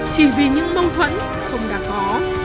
chỉ vì những mâu thuẫn không đã có